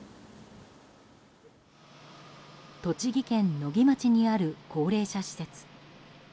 栃木県野木町にある高齢者施設。